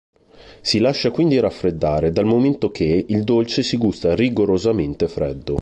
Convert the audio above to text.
Si lascia quindi raffreddare, dal momento che il dolce si gusta rigorosamente freddo.